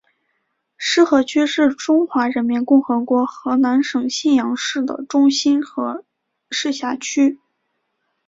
浉河区是中华人民共和国河南省信阳市的中心和市辖区。